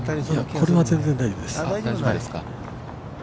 ◆これは全然大丈夫です。